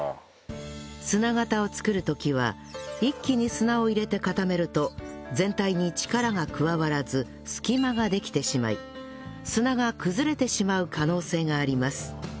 砂型を作る時は一気に砂を入れて固めると全体に力が加わらず隙間ができてしまい砂が崩れてしまう可能性があります